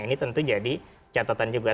ini tentu jadi catatan juga